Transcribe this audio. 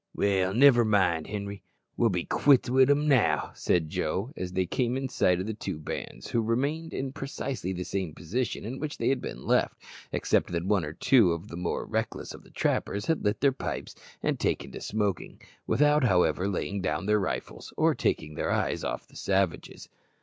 "Well, niver mind, Henri, we'll be quits wi' them now," said Joe, as they came in sight of the two bands, who remained in precisely the same position in which they had been left, except that one or two of the more reckless of the trappers had lit their pipes and taken to smoking, without, however, laying down their rifles or taking their eyes off the savages.